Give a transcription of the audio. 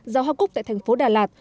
giao hoa cúc tại thành phố đà lạt